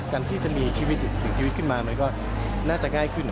การที่จะมีอีกชีวิตขึ้นมามันน่าจะง่ายขึ้น